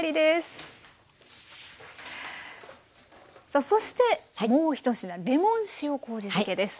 さあそしてもう１品レモン塩こうじ漬けです。